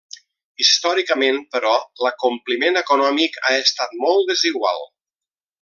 Històricament, però, l'acompliment econòmic ha estat molt desigual.